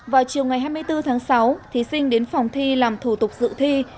vào chiều ngày hai mươi bốn tháng sáu thí sinh đến phòng thi làm thủ tục dự thi